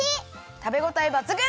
たべごたえばつぐん！